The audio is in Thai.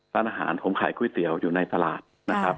ร้านอาหารผมขายก๋วยเตี๋ยวอยู่ในตลาดนะครับ